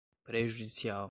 prejudicial